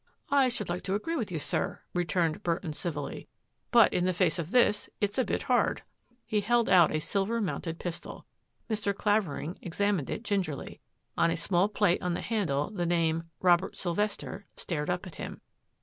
" I should like to agree with you, sir," returned Burton civilly, " but in the face of this, it's a bit hard." He held out a silver mounted pistol. Mr. Clavering examined it gingerly. On a small plate on the handle the name ^^ Robert Sylvester" stared up at him.